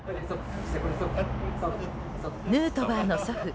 ヌートバーの祖父